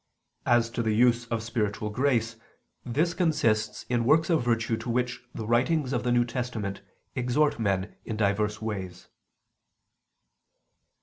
As to the use of spiritual grace, this consists in works of virtue to which the writings of the New Testament exhort men in divers ways.